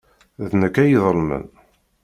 D nekk ay iḍelmen.